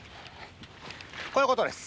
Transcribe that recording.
こういうことです。